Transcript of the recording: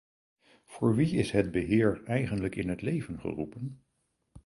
Voor wie is het beheer eigenlijk in het leven geroepen?